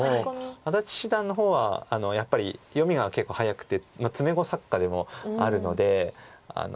安達七段の方はやっぱり読みが結構早くて詰碁作家でもあるので。